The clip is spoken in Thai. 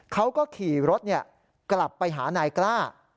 เขาก็ขี่รถกลับไปหานายกล้า